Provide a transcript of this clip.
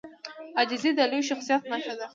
عاجزي د لوی شخصیت نښه ده.